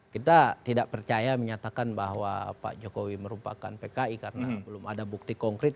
kita tidak percaya menyatakan bahwa pak jokowi merupakan pki karena belum ada bukti konkret